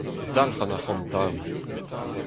Dalc'h an arc'hantaouiñ.